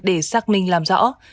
để xác minh làm rõ